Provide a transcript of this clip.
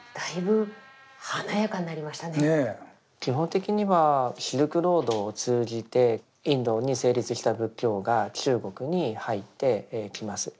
基本的にはシルクロードを通じてインドに成立した仏教が中国に入ってきます。